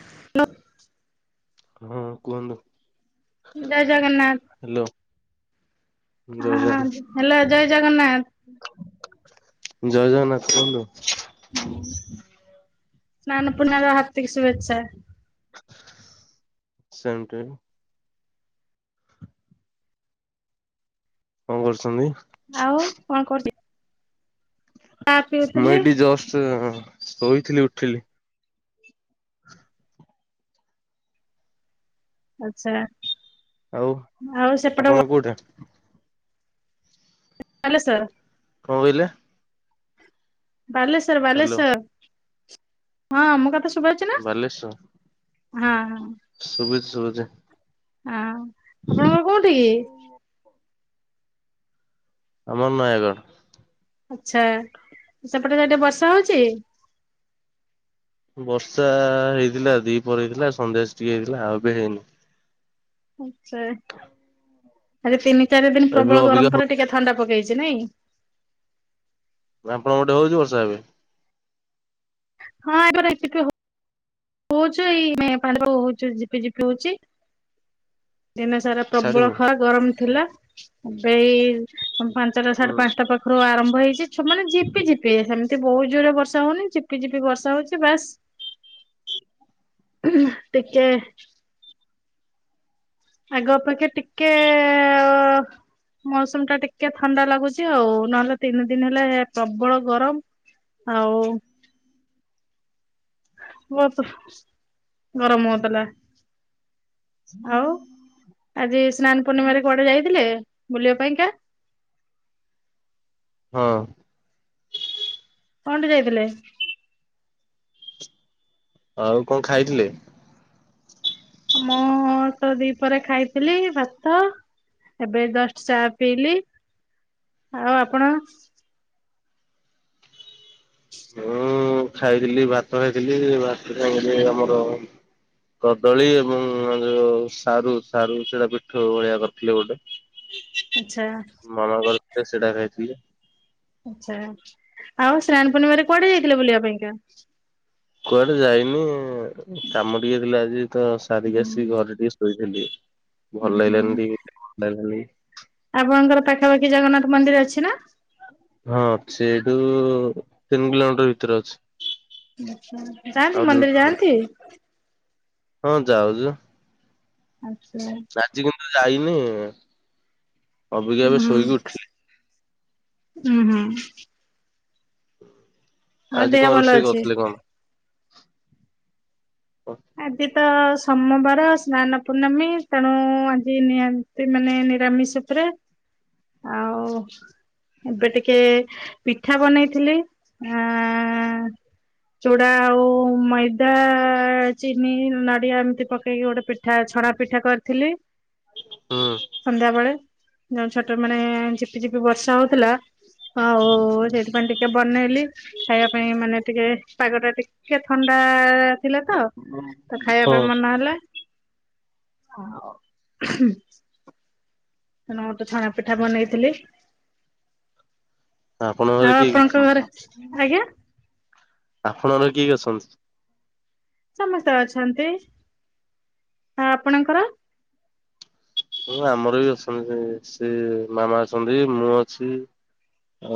Hello. ହୁଁ କୁହନ୍ତୁ? ଜୟ hello Jagannath ଆ ଜୟ ଜଗନ୍ନାଥ ହ୍ୟାଲୋ ଜୟ ଜଗନ୍ନାଥ। ଜୟ ଜଗନ୍ନାଥ କୁହନ୍ତୁ। ହୁଁ ସ୍ନାନ ପୂର୍ଣ୍ଣିମା ର ହାର୍ଦ୍ଦିକ ଶୁଭେଚ୍ଛା। Same to you. କଣ କରୁଛନ୍ତି? ଆଉ କଣ କରୁଚି। ଚା ମୁଁ ପିଉଥିଲି ଏଇଠି ଜଷ୍ଟ ଶୋଇଥିଲି ଉଠିଲି। ଆଚ୍ଛା। ଆଉ ଆଉ ସେପଟେ ଆପଣ କୋଉଠେ? ବାଲେଶ୍ୱର। କଣ କହିଲେ? ବାଲେଶ୍ଵର ହ୍ୟାଲୋ ବାଲେଶ୍ଵର ହଁ ମୋ କଥା ଶୁଭା ଆଉଚି ନା ବାଲେଶ୍ଵର। ହଁ ହଁ। ଶୁବୁଚି ଶୁବୁଚି। ଆଁ ଆପଣଙ୍କର କୋଉଠି କି? ଆମ ଘର ନୟାଗଡ଼। ଆଚ୍ଛା ସେପଟେ ସାଇଟ୍ରେ ବର୍ଷା ହଉଚି? ବର୍ଷା ହେଇଥିଲା ଦିପରେ ହେଇଥିଲା ସନ୍ଧ୍ୟାସି ଟିକେ ହେଇଥିଲା ଆଉ ଏବେ ହେଇନି। ଆଚ୍ଛା ଆରେ ତିନି ଚାରି ଦିନ ଏବେ ପ୍ରବଳ ଅବିକା ଗରମ ପରେ ଟିକେ ଥଣ୍ଡା ପକେଇଚି ନାଇଁ। ଆପଣଙ୍କ ପଟେ ହଉଚି ବର୍ଷା ଏବେ? ହଁ ଆମର ଏଠି ବି ହଉ ହଉଚି ଏଇ [unintelligible] ଝିପି ଝିପି ହଉଚି। ଦିନେ ସାରା ପ୍ରବଳ ଛାଡିନି ଖରା ଗରମ ଥିଲା ଏବେ ଏଇ ପାଞ୍ଚଟା ହୁଁ ସାଢେ ପାଞ୍ଚଟା ପ ପାଖରୁ ଆରମ୍ଭ ହେଇଚି ମାନେ ଝିପି ଝିପି ସେମିତି ବହୁତ ଜୋରେ ବର୍ଷା ହଉନି ଝିପି ଝିପି ବର୍ଷା ହଉଚି ବାସ୍ [unintelligible] ଟିକେ ଆଗ ଅପେକ୍ଷା ଟିକେ ଏ ଏ ଏ ଅ ମୌସମ ଟା ଟିକେ ଥଣ୍ଡା ଲାଗୁଚି ଆଉ ନହେଲେ ତିନି ଦିନି ହେଲା ଏ ପ୍ରବଳ ଗରମ ଆଉ ବହୁତୁ ଗରମ ହଉଥିଲା। ଆଉ ଆଜି ସ୍ନାନ ପୂର୍ଣ୍ଣିମାରେ କୁଆଡେ ଯାଇଥିଲେ ବୁଲିବା ପାଇଁକା? ହଁ। କଣଟେ ଯାଇଥିଲେ। ଆଉ କଣ ଖାଇଥିଲେ? ଆ ମୁଁ ତ ଦିପରେ ଖାଇଥିଲି ଭାତ ଏବେ ଜଷ୍ଟ ଚା ପିଇଲି ଆଉ ଆପଣ? ମୁଁ ଖାଇଥିଲି ଭାତ ଖାଇଥିଲି ଭାତ ଖାଇ ଆମର କଦଳୀ ଏବଂ ଯୋଉ ସାରୁ ସାରୁ ସେଟା ପିଠଉ ଭଳିଆ କରିଥିଲେ ଗୋଟେ। ଆଚ୍ଛା। ମାମା କରିଥିଲେ ସେଟା ଖାଇଥିଲି। ଆଛା ଆଉ ସ୍ନାନ ପୂର୍ଣ୍ଣିମାରେ କୁଆଡେ ଯାଇଥିଲୁ ବୁଲିବା ପାଇଁକା। କୁଆଡେ ଯାଇନି କାମ ଟିକେ ଥିଲା ଆଜି ତ ସାରିକି ଆସିକି ହୁଁ ଘରେ ଟିକେ ଶୋଇ ଥିଲି ଭଲ ଲାଗିଲାନି ଟିକେ ଥଣ୍ଡା ଧରି ଆପଣଙ୍କର ପାଖାପାଖି ଜଗନ୍ନାଥ ମନ୍ଦିର ଅଛି ନା? ହଁ ଅଛି ଏଇଠୁ ତିନି କିଲୋମିଟର ଭିତରେ ଅଛି। ଆଉ ଯାଆନ୍ତି ଯୋଉଠୁ ମନ୍ଦିର ଯାଆନ୍ତି। ହଁ ଯାଉଚୁ। ଆଚ୍ଛା। ଆଜି କିନ୍ତୁ ଯାଇନି ଅବିକା ଏବେ ଉଁ ଶୋଇକି ଉଠିଲି ଉଁ ହୁଁ। ଆଉ ଆଜି କଣ ଦେହ ଭଲ ରୋଷେଇ ଅଛି। କରିଥିଲେ କଣ? ଆଜି ତ ସୋମବାର ସ୍ନାନ ପୂର୍ଣ୍ଣମୀ ତେଣୁ ଆଜି ନିହା ତି ମାନେ ନିରାମିଷ ଉପରେ ଆଉ ଏବେ ଟିକେ ପିଠା ବନେଇଥିଲି ଆ ଚୂଡ଼ା ଆଉ ମଇଦା ଚିନି ନଡ଼ିଆ ଏମିତି ପକେଇକି ଗୋଟେ ପିଠା ଛଣା ପିଠା କରିଥିଲି। ହୁଁ ସନ୍ଧ୍ୟାବେଳେ ଯୋଉ ଛୋଟ ମାନେ ଝିପିଝିପି ବର୍ଷା ହୋଉଥୁଲା ଆଉ ସେଇଥିପାଇଁ ଟିକେ ବନେଇଲି। ଖାଇବା ପାଇଁ ମାନେ ଟିକେ ପାଗଟା ଟିକେ ଥଣ୍ଡା ଥିଲା ତ। ତ ଖାଇବା ହଁ ପାଇଁ ମନ ହେଲା ଆଉ ତେଣୁ ମୁଁ ତ ଛଣା ପିଠା ବନେଇଥିଲି। ତ ଆପଣଙ୍କ ଆଉ ଘରେ କିଏ କିଏ ଆପଣଙ୍କ ଘରେ ଅଛନ୍ତି ହୁଁ ଆଜ୍ଞା ତ ଆପଣଙ୍କ ଘରେ କିଏ କିଏ ଅଛନ୍ତି? ସମସ୍ତେ ଅଛନ୍ତି ଆଉ ଆପଣଙ୍କର। ହଁ ଆମର ବି ଅଛନ୍ତି ସେ ମାମା ଅଛନ୍ତି ମୁଁ ଅଛି।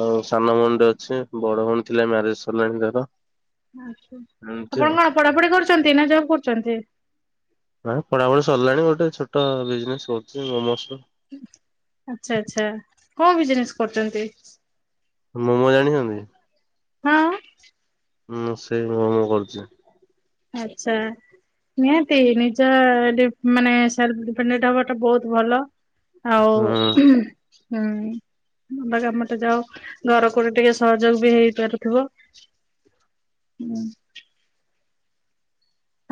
ଆଉ ସାନ ଭୋଉଣୀଟେ ଅଛି ବଡ ଭୋଉଣୀ ଥିଲେ ମ୍ୟାରେଜ ସରିଲାଣି ତାର। ଆଛା ଏମିତି ଆପଣ ଆଉ କଣ ପଢାପଢି କରୁଚନ୍ତି ନା ଜବ୍ କରୁଚନ୍ତି। ହଁ ପଢାପଢି ସରିଲାଣି ଗୋଟେ ଛୋଟ ବିଜନେସ୍ କରୁଚି ମୋମୋସର। ଆଚ୍ଛା ଆଚ୍ଛା କୋଉ ବିଜନେସ କରୁଚନ୍ତି। ମୋମୋ ଜାଣିଛନ୍ତି? ହଁ। ହୁଁ ସେଇ ମୋମୋ ମୁଁ କରୁଚି। ଆଚ୍ଛା। ନିହାତି ନିଜ ଡି ମାନେ ସେଲଫ୍ ଡିପେଣ୍ଡେଣ୍ଟ ହବାଟା ବୋହୁତ ଭଲ। ହୁଁ ଆଉ ହୁଁ। ଭଲ ମତେ ଯାହୋଉ ଘର କୋଳି ଟିକେ ସହଯୋଗ ବି ହେଇପାରୁଥୁବ। ଉଁ।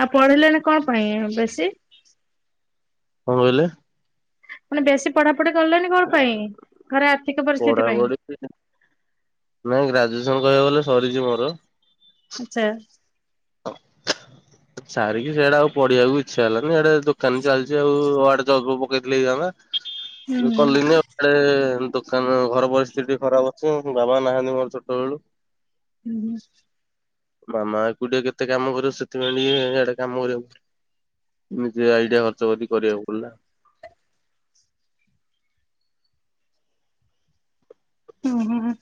ଆଉ ପଢେଇଲେ ନି କଣ ପାଇଁ ବେଶୀ? କଣ କହିଲେ? ମାନେ ବେଶୀ ପଢା ପଢି କଲେଣିି କଣ ପାଇଁ ଘରେ ଆର୍ଥିକ ପରିସ୍ଥିତି ପାଇଁ। ପଢାପଢି ନାଇଁ ଗ୍ରାଜୁଏସନ କହିବାକୁ ଗଲେ ସରିଚି ମୋର। ଆଚ୍ଛା। ହଁ ସାରିକି ସେଇଟା ଆଉ ପଢିଆକୁ ଇଚ୍ଛା ହେଲାନି ଆଡେ ଦୋକାନ ଚାଲିଚି ଆଉ ଆଡେ ଜବ୍ ପକେଇଥିଲେ ହୁଁ ହେଇଥାନ୍ତା। ମୁଁ ପଢ଼ଲିନି ଏପଟେ ଦୋ ସାନ ଘରେ ପରିସ୍ଥିତି ଟିକେ ଖରାପ ଅଛି ବାବା ନାହାନ୍ତି ମୋର ଛୋଟବେଳୁ। ଉଁହୁଁ। ମାମା ଏକୁଡଟିଆ କେତେ କାମ କରିବ ସେଥିପାଇଁ ଟିକେ ଇଆଡେ କାମ କରିବାକୁ ନିଜେ ଆଇଡିଆ ଖର୍ଚ୍ଚ କରିକି କରିବାକୁ ପଡିଲା। ଉଁ ହୁଁ।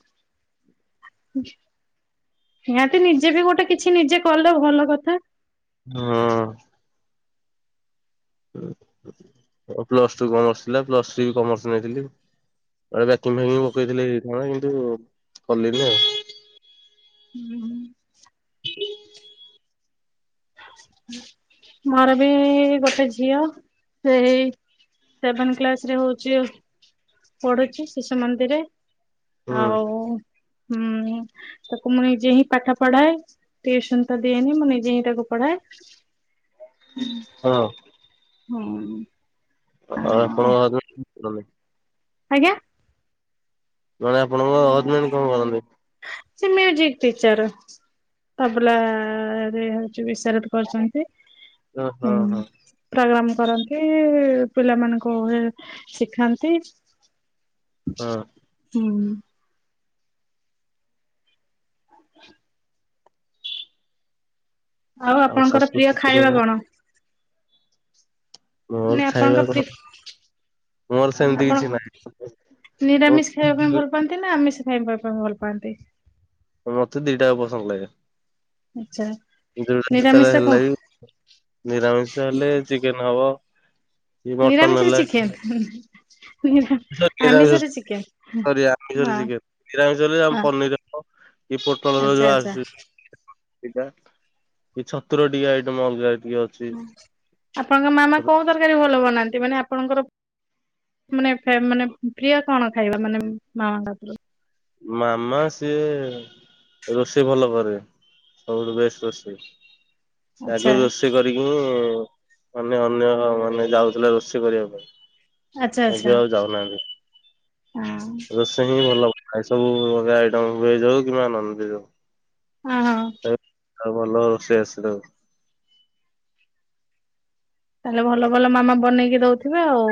ନିହାତି ନିଜେ ବି ଗୋଟେ କିଛି ନିଜେ କଲୁ ଭଲ କଥା। ହଁ। ପ୍ଲସ ଟୁ କମର୍ସ ଥିଲା। ପ୍ଲସ ଥ୍ରୀ ବି କମର୍ସ ନେଇଥିଲି। ବ ବାକିଙ୍ଗ ଫାକିଙ୍ଗ ପକେଇଥିଲି ହୋଇଥାନ୍ତା କିନ୍ତୁ କଲିନି ଆଉ। ହୁଁ ମୋର ବି ଗୋଟେ ଝିଅ ସେଇ ସେଭେନ କ୍ଲାସ ରେ ହଉଚି ପଢୁଚି ଶିଶୁ ମନ୍ଦିରରେ। ହୁଁ ଆଉ ହୁଁ ତାକୁ ମୁଁ ନିଜେ ହିଁ ପାଠ ପଢାଏ। ଟିଉସନ ତ ଦିଏନି ମୁଁ ନିଜେ ହିଁ ତାକୁ ପଢାଏ। ହୁଁ। କହ। ହୁଁ। ଆଉ ଆପଣଙ୍କ ଆଗରେ [inaudible] ଆଜ୍ଞା? ମାନେ ଆପଣଙ୍କ ହଜବାଣ୍ଡ କଣ କରନ୍ତି? ସେ ମ୍ୟୁଜିକ ଟିଚର। ତାବଲାରେ ହେଉଚି ବିସାର କରଚନ୍ତି ହଁ ହଁ ହୁଁ। ହଁ ପ୍ରୋଗ୍ରାମ କରନ୍ତି ପିଲାମାନଙ୍କୁ ଏ ଶିଖାନ୍ତି। ହଁ ହୁଁ ହୁଁ। ଆଉ ଆପଣଙ୍କର ଶାଶୁ ପ୍ରିୟ ଖାଇବା ଶଶୁର କଣ? ମୋର ମାନେ ଖାଇବା ଆପଣଙ୍କ କଣ ପ୍ରି ମୋର ସେମିତି ଆପଣ କିଛି ନାହିଁ। ନିରାମିଷ ଖାଇବା ପାଇଁ ଭଲ ଲ ପାଆନ୍ତି ନା ଆମିଷ ଖାଇବା ପାଇଁ ଭଲ ପାଆନ୍ତି? ହୁଁ ମତେ ଦିଟାଯାକ ପସନ୍ଦ ଲାଗେ। ଆଚ୍ଛା। ଯୋଉଟା ଯେତେବେଳେ ନିରାମିଷ କ ହେଲେ ବି ନିରାମିଷ ହେଲେ ଚିକେନ ହବ। କି ମଟନ ନିରାମିଷରେ ହେଲା ଚିକେନ କିମ୍ବା ନିରା ସେଟା ନିରାମିଷରେ ଆମିଷରେ ଚିକେନ ସୋରି ଆମିଷ ରେ ହଁ ଚିକେନ। ନିରାମିଷ ହେଲେ ଆମ ହଁ ପନିର କି ପୋଟଲ ର ଆଚ୍ଛା ଯୋଉ ଆଚ୍ଛା ଆସୁଚି ସେଇଟା। କି ଛତୁର ଟିକେ ଆଇଟମ ଅଲଗା ଟିକେ ଅ ହୁଁ ଆପଣଙ୍କ ମାମା କୋଉ ତରକାରୀ ଭଲ ବନାନ୍ତି? ମାନେ ଆପଣଙ୍କର ମାନେ ମାନେ ପ୍ରିୟ କଣ ଖାଇବା ମାନେ ମାମାଙ୍କ ହାତରୁ? ମାମା ସିଏ ରୋଷେଇ ଭଲ କରେ। ସବୁଠୁ ବେଶ ରୋଷେଇ। ସେ ଆଚ୍ଛା ଆଗରୁ ରୋଷେଇ କ ଇକୁ ମାନେ ଅନ୍ୟ ମାନେ ଯାଉଥିଲା ରୋଷେଇ କରିବା ପାଇଁ। ଆଚ୍ଛା ଏବେ ଆଚ୍ଛା ଆଉ ହଁ। ସବୁ ହିଁ ଭଲ ବନାଏ। ସବୁ ଅଲଗା ଆଇଟମ୍ ଭେଜ୍ ହଉ କିମ୍ବା ନନ ଭେଜ୍ ହଉ। ହଁ ହଁ। ତାକୁ ଭଲ ରୋଷେଇ ଆସେ ତାକୁ। ତାହେଲେ ଭଲ ଭଲ ମାମା ବନେଇକି ଦଉଥିବେ ଆଉ।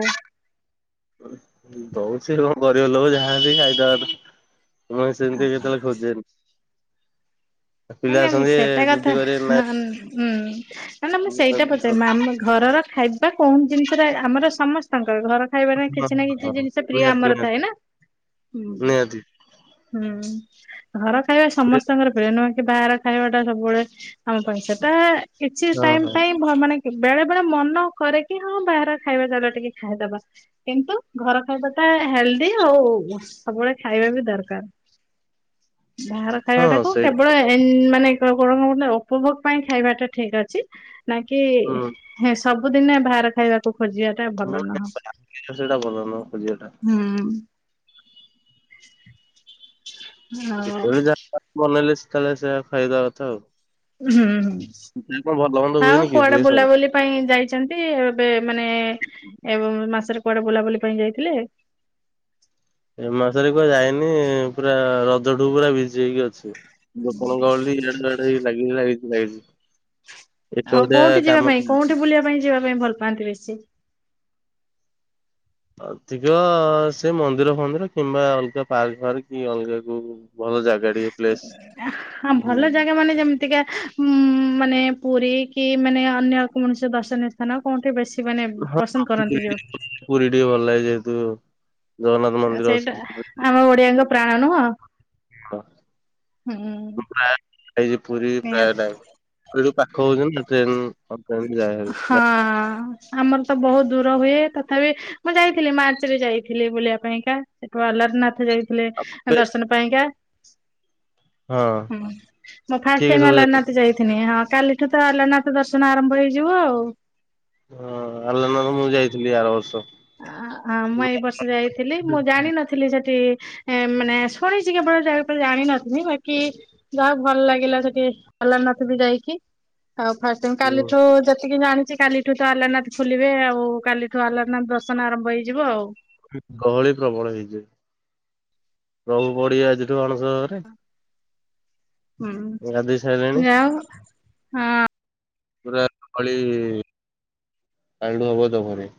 ଦଉଚି କଣ ଗରିବ ଲୋକ ଯାହା ଯେମିତି ଖାଇଦବା କଥା। ମୁଁ ସେମିତି କେତେବେଳେ ଖୋଜେନି। ନା ପିଲା ନା ମୁଁ ଅଛନ୍ତି ସେଟା କଥା ଜିଦି କରିବେ ନା ନାଇଁ ଉଁ ମାନେ ମୁଁ ସେଇଟା ପଚାରୁନି ମାମା ଘରର ଖାଇବା କୋଉ ଜିନିଷ ର ଆମର ସମସ୍ତ ଙ୍କର ଘର ଖାଇବାରେ କିଛି ନା ନିହାତି କିଛି ଜିନିଷ ପ୍ରିୟ ନିହାତି ଆମର ଥାଏ ନା। ହୁଁ। ନିହାତି ହୁଁ ଘର ଖାଇବା ସେ ସମସ୍ତଙ୍କର ପ୍ରିୟ ନୁହଁ କି? କି ବାହାର ଖାଇବା ଟା ସବୁବେଳେ ଆମ ପାଇଁ ସେଟା କିଛି ହଁ ଟାଇମ ହଁ ପାଇଁ ଭଲ ମାନେ ବେଳେ ବେଳେ ମନ କରେ କି ହଁ ବାହାର ଖାଇବା ଚାଲ ଟିକେ ଖାଇଦବା। କିନ୍ତୁ ଘର ଖାଇବା ଟା ହେଲ୍ଦି ଆଉ ସବୁବେଳେ ଖାଇବା ବି ଦରକାର। ବାହାର ହଁ ଖାଇବାଟାକୁ କେବଳ ସେଇଟା ଏନ ମାନେ କଣ ଉପଭୋଗ ପାଇଁ ଖାଇବାଟା ଠିକ ଅଛି। ହୁଁ ନାଇଁକିି ସବୁଦିନେ ବାହାର ଖାଇବା ଖୋଜିବାଟା ମୁଁ ଭଲ ନୁହଁ ଜାଣିଛି ସେଇଟା ଭଲ ନୁହଁ ଖୋଜିବାଟା। ହୁଁ। ଆଉ ଯେତେବେଳେ ଯାହା ବନେଇଲେ ସେତେଲେ ସେଇଆ ଖାଇଦବା କଥା ଆଉ। ଉୁଁ ହୁଁ ହୁଁ। [inaudible] କଣ ଭଲ ମନ୍ଦ ଆଉ ହୁଏନି କି କୁଆଡେ ହୁଏ ସଦା। ବୁଲାବୁଲି ପାଇଁ ଯାଇଛନ୍ତି ଏବେ ମାନେ ଏ ମାସରେ କୁଆଡେ ବୁଲାବୁଲି ପାଇଁ ଯାଇଥିଲେ। ଏ ମାସରେ କୁଆଡେ ଯାଇନି ପୁରା ରଜଠୁ ପୁରା ବିଜି ହେଇକି ଅଛି। ୋକଣ ଗାଉ [unintelligible] ଏଡେ ବଡ ଲାଗିଚି ଲାଗଛି ଲାଗିଛି। ଆଉ କୋଉଠି ଯିବା ପାଇଁ କୋଉଠି ବୁଲିବା ପାଇଁ ଯିବା ପାଇଁ ଭଲ ପାଆନ୍ତି ବେଶୀ? ଅଧିକ ସେ ମନ୍ଦିର ଫନ୍ଦିର କିମ୍ବା ଅଲଗା ପାର୍କ ଫାର୍କ କି ଅଲଗା କଉ ଭଲ ଜାଗାଟିକେ ପ୍ଲେସ। ହଁ ଭଲ ଜାଗା ମାନେ ଯେମ ଟିକେ ଉଁ ମାନେ ପୁରୀ କି ମାନେ ଅନ୍ୟ କୌଣସି ଦର୍ଶନୀୟ ସ୍ଥାନ କୋଉଠି ବେଶୀ ମାନେ ହଁ ପସନ୍ଦ ପୁରୀ କରନ୍ତି ଯୋଉ ଟିକେ ପୁରୀ ଟିକେ ଭଲ ଲାଗେ ଯେହେତୁ ଜଗନ୍ନାଥ ଆ ମନ୍ଦିର ଅଛି। ସେଇଟା ଆମ ଓଡିଆଙ୍କ ପ୍ରାଣ ନୁହଁ? ପ୍ରାୟ ହୁଁ ନିହାତି। ଏଠୁ ଯୋଉ ପାଖ ହଉଛି ନା ଟ୍ରେନ ଟ୍ରେନ ଯାଏ ହାରି ହଁ ଆମର ତ ବହୁତ ଦୂର ହୁଏ ତଥାପି ମୁଁ ଯାଇଥିଲି ମାର୍ଚ୍ଚ ରେ ଯାଇଥିଲି ବୁଲିବା ପାଇଁକା ସେଠୁ ଆଲାରନାଥ ଯାଇଥିଲେ ଦର୍ଶନ ପାଇଁକା। ହଁ ମଁ ଫାଷ୍ଟ କିଏ କିଏ ଟାଇମ ସବୁ ଯାଇଥିଲେ? ଅଲାରନାଥ ଯାଇଥିନି ହଁ କାଲିଠୁ ତ ଆଲାରନାଥ ଦର୍ଶ ଦର୍ଶନ ଆରମ୍ଭ ହେଇଯିବ ଆଉ। ହଁ ଆଲାରନାଥ ମୁଁ ଯାଇଥିଲି ଆର ବର୍ଷ। ଆଁ ମୁଁ ଏଇ ବର୍ଷ ଯାଇଥିଲି ମୁଁ ଜାଣିନଥି ଥିଲି ସେଠି ମାନେ ଶୁଣିଛି କେବଳ ଜାଗା ଉପରେ ଜାଣିିନଥିଲି ବାକି ଯାହାହଉ ଭଲ ଲାଗିଲା ସେଠି ଆଲାରନାଥ ବି ଯାଇକି। ଆଉ ଫାଷ୍ଟ ହୁଁ କାଲିଠୁ ଯେତିକି ଜାଣିଛି କାଲିଠୁ ତ ଆଲାରାନାଥ ଖୋଲିବେ ଆଉ କାଲିଠୁ ଆଲାରନାଥ ଦର୍ଶ ଦର୍ଶନ ଆରମ୍ଭ ହେଇଯିବ ଆଉ। ଗହଳି ପ୍ରବଳ ହେଇଯିବ ପ୍ରଭୁ ପଡିିବେ ଆଜିଠୁ ଅଣସର ଘରେ। ହଁ ଗାଧେଇ ସାରିଲେଣି ଯାହେଉ ହଁ। ପୁରା ଗହଳି କାଲିଠୁ ହବ ଜବରୀ।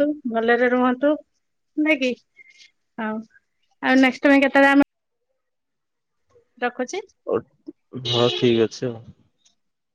ହଉ ଭଲରେ ରୁହନ୍ତୁ ନାଇକି ଆଉ ଆଉ ନେଷ୍ଟ ପାଇଁ କେତେବେଳେ ଆମେ ରଖୁଛି। ହଉ ହଁ ଠିକ ଅଛି ଆଉ।